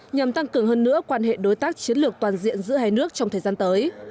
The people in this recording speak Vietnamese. nhằm tăng cường hơn nữa quan hệ đối tác chiến lược toàn diện giữa hai nước trong thời gian tới